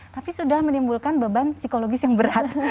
tapi sudah menimbulkan beban psikologis yang berat